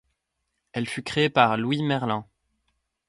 Elle fut créée par Louis Merlin.